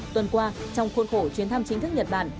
tuần qua trong khuôn khổ chuyến thăm chính thức nhật bản